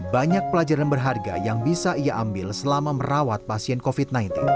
banyak pelajaran berharga yang bisa ia ambil selama merawat pasien covid sembilan belas